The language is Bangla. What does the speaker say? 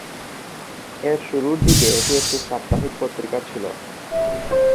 এর শুরুর দিকে এটি একটি সাপ্তাহিক পত্রিকা ছিল।